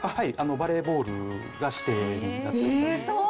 バレーボールが指定になっております。